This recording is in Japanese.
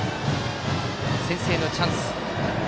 先制のチャンス。